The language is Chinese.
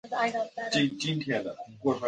舍米耶。